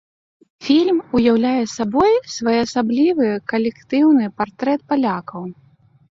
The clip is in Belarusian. Фільм уяўляе сабой своеасаблівы калектыўны партрэт палякаў.